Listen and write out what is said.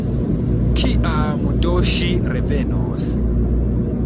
Kiam do ŝi revenos?